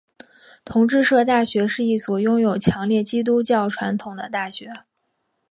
同志社大学是一所拥有强烈基督教传统的大学。